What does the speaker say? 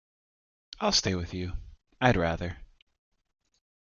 I'll stay with you; I'd rather.